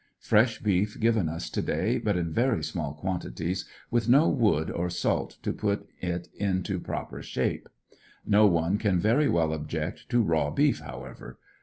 Fresh beef given us to dr.y, but in very small quantities with no wood or salt to put it into proper shape. No one can very well object to raw beef, however.